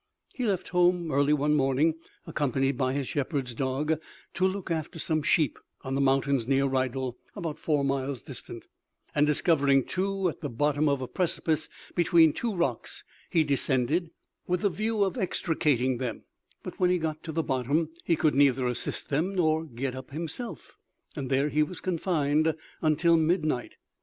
He left home early one morning, accompanied by his shepherd's dog, to look after some sheep on the mountains near Rydal, about four miles distant; and discovering two at the bottom of a precipice between two rocks he descended, with the view of extricating them; but when he got to the bottom, he could neither assist them nor get up himself, and there he was confined until midnight.